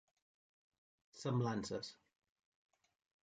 Semblances: